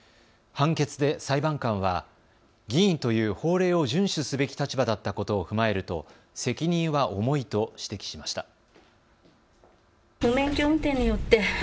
判決で裁判官は議員という法令を順守すべき立場だったことを踏まえると責任は重いと指摘しました。